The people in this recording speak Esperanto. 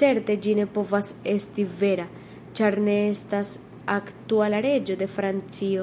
Certe ĝi ne povas esti vera, ĉar ne estas aktuala reĝo de Francio.